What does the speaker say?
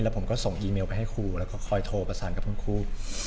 ผมก็ส่งอีเมลไปให้ครูแล้วก็คอยโทรประสานกับคุณครู